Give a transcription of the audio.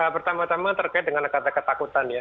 pertama tama terkait dengan kata ketakutan ya